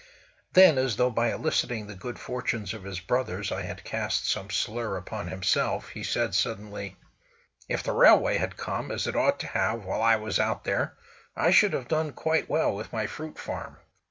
Then, as though by eliciting the good fortunes of his brothers I had cast some slur upon himself, he said suddenly: "If the railway had come, as it ought to have, while I was out there, I should have done quite well with my fruit farm."